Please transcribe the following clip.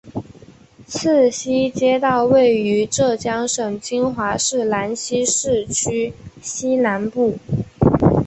赤溪街道位于浙江省金华市兰溪市区西南部。